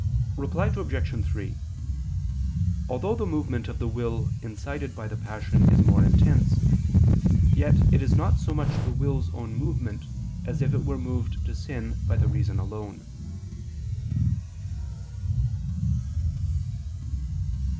Reply Obj. 3: Although the movement of the will incited by the passion is more intense, yet it is not so much the will's own movement, as if it were moved to sin by the reason alone.